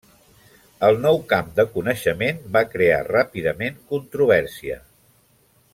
El nou camp de coneixement va crear ràpidament controvèrsia.